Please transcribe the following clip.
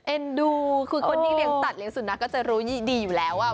เอ็นดูคุณคนที่เรียงตัดก็จะรู้อีกดีอยู่แล้วว่า